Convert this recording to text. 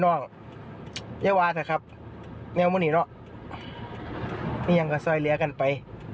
โอ้น่ารักมากจริงนะ